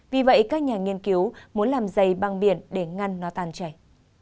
vì vậy các nhà nghiên cứu muốn làm dày băng biển để ngăn nó tàn chảy